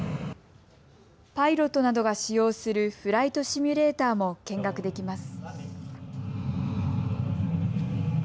パイロットなどが使用するフライトシミュレーターも見学できます。